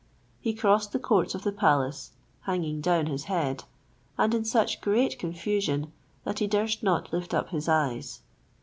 He crossed the courts of the palace, hanging down his head, and in such great confusion, that he durst not lift up his eyes.